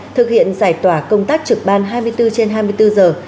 thực hiện giải tỏa công tác trực ban hai mươi bốn trên hai mươi bốn giờ